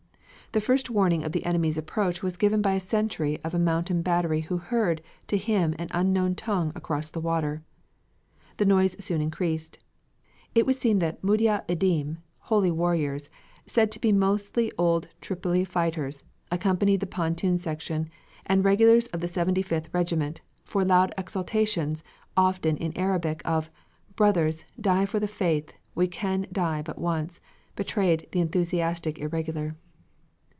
The first warning of the enemy's approach was given by a sentry of a mountain battery who heard, to him, an unknown tongue across the water. The noise soon increased. It would seem that Mudjah Ideem "Holy Warriors" said to be mostly old Tripoli fighters, accompanied the pontoon section, and regulars of the Seventy fifth regiment, for loud exultations, often in Arabic, of "Brothers, die for the faith; we can die but once," betrayed the enthusiastic irregular.